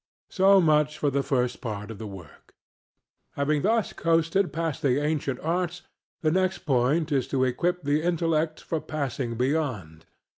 So much for the first part of the work. Having thus coasted past the ancient arts, the next point is to equip the intellect for passing beyond.